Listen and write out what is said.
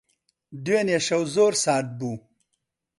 دوێنێ شەو زۆر سارد بوو.